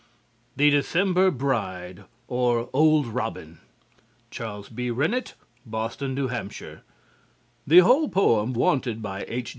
"THE DECEMBER BRIDE, OR OLD ROBIN" Charles B. Rennit, Boston, N.H. The whole poem wanted by "H.